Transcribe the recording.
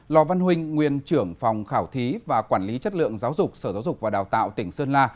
lò văn huynh nguyên trưởng phòng khảo thí và quản lý chất lượng giáo dục sở giáo dục và đào tạo tỉnh sơn la